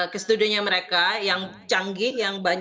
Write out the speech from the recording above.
ke studionya mereka yang canggih